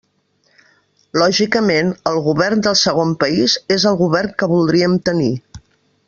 Lògicament, el govern del segon país és el govern que voldríem tenir.